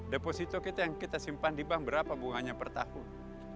deposito kita yang kita simpan di bank berapa bunganya per tahun